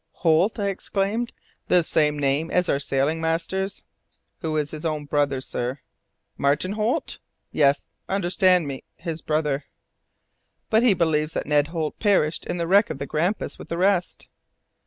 "Holt!" I exclaimed, "the same name as our sailing master's." "Who is his own brother, sir." "Martin Holt?" "Yes understand me his brother." "But he believes that Ned Holt perished in the wreck of the Grampus with the rest."